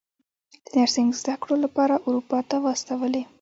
د نرسنګ زده کړو لپاره اروپا ته واستولې.